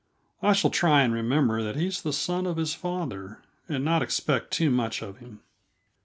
I shall try and remember that he's the son of his father, and not expect too much of him.